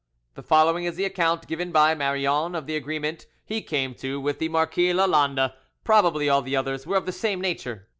The following is the account given by Marion of the agreement he came to with the Marquis Lalande; probably all the others were of the same nature.